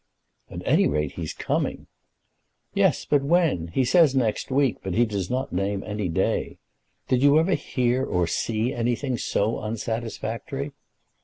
"At any rate, he's coming." "Yes; but when? He says next week, but he does not name any day. Did you ever hear or see anything so unsatisfactory?"